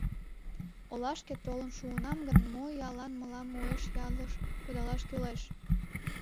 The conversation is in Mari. — Олашке толын шуынам гын, мо иялан мылам уэш ялыш кудалаш кӱлеш?